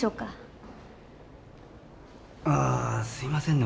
ああすいませんね